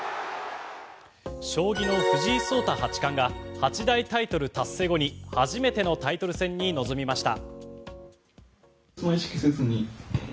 将棋の藤井聡太八冠が八大タイトル達成後に初めてのタイトル戦に臨みました。